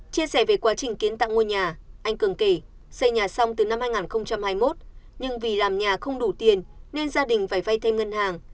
chia sẻ về quá trình kiến tặng ngôi nhà anh cường kỳ xây nhà xong từ năm hai nghìn hai mươi một nhưng vì làm nhà không đủ tiền nên gia đình phải vay thêm ngân hàng